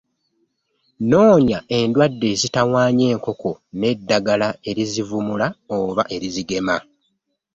Noonya endwadde ezitawaanya enkoko n’eddagala erizivumula oba erizigema.